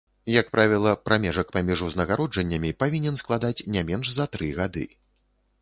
Як правіла, прамежак паміж узнагароджаннямі павінен складаць не менш за тры гады.